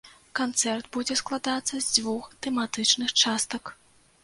Канцэрт будзе складацца з дзвюх тэматычных частак.